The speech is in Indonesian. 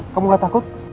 kamu gak takut